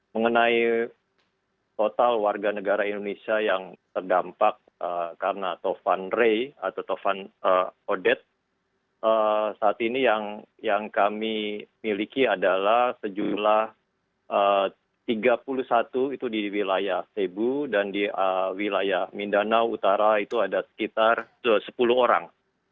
mengenai total warga negara indonesia yang terdampak karena topan rei atau topan odet saat ini yang kami miliki adalah sejumlah tiga puluh satu di wilayah cebu dan di wilayah mindanao utara itu ada sekitar sepuluh orang